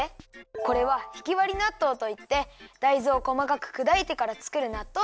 これはひきわりなっとうといってだいずをこまかくくだいてからつくるなっとうなんだ。